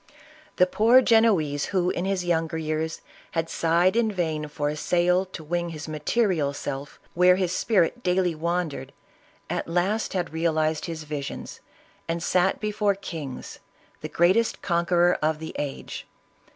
The poor Genoese who, in his younger years, had sighed in vain for a sail to wing his material self where his spirit daily wandered, at last had realized his visions, and sat before kings, the greatest conqueror of the age.